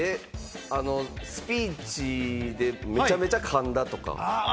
スピーチでむちゃむちゃ噛んだとか。